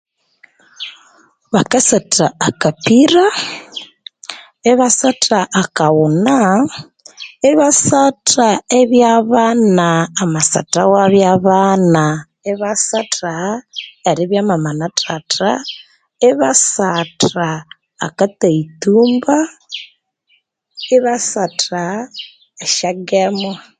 Bakasatha akapira ibasatha akaghuna ibasatha ebyabana amasatha webyabana ibasatha amasatha eribya Mama na taata ibasatha akattaittumba ibasatha esyagemu